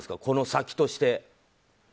この先として。